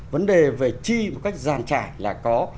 vấn đề về chi một cách giàn trải là có